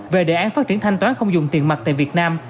về đề án phát triển thanh toán không dùng tiền mặt tại việt nam